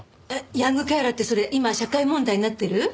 ヤングケアラーってそれ今社会問題になってる？